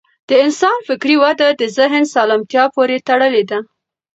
د انسان فکري وده د ذهن سالمتیا پورې تړلې ده.